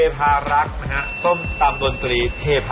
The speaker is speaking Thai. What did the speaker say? อยากรู้รายละเอียดไหมคะ